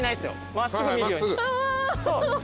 真っすぐ見るように。